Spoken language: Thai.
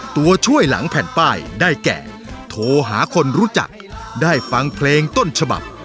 ตัวช่วยหลังแผ่นป้ายได้แก่โทรหาคนรู้จักได้ฟังเพลงต้นฉบับ